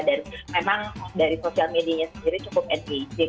dan memang dari sosial medianya sendiri cukup engaging